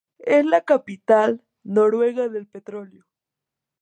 Es la capital noruega del petróleo.